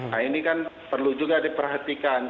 nah ini kan perlu juga diperhatikan